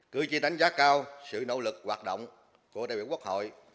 cử tri đánh giá cao sự nỗ lực hoạt động của đại biểu quốc hội